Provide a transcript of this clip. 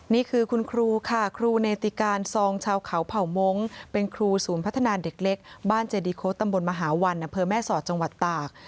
นี่คือคุณครูค่ะครูเนติการซองชาวเขาเผ่ามงค์เป็นครูศูนย์พัฒนาเด็กเล็กบ้านเจดีโค้ดตำบลมหาวันอำเภอแม่สอดจังหวัดตาก